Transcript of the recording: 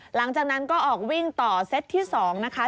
หลังจากนั้นก็ออกวิ่งต่อเซตที่๒นะคะ